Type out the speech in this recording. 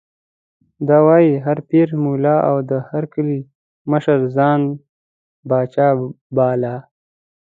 دی وایي: هر پیر، ملا او د هر کلي مشر ځان پاچا باله.